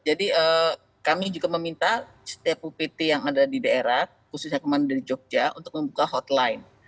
jadi kami juga meminta setiap upt yang ada di daerah khususnya kmnd jogja untuk membuka hotline